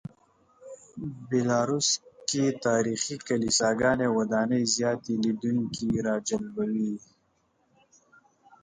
بیلاروس کې تاریخي کلیساګانې او ودانۍ زیاتې لیدونکي راجلبوي.